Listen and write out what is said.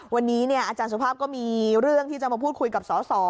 วันนี้อาจารย์สุภาพก็มีเรื่องที่จะมาพูดคุยกับสส